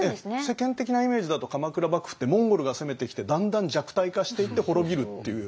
世間的なイメージだと鎌倉幕府ってモンゴルが攻めてきてだんだん弱体化していって滅びるっていう。